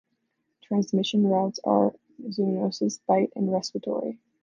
Transmission routes are zoonosis, bite, and respiratory.